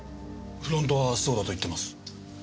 フロントはそうだと言ってます。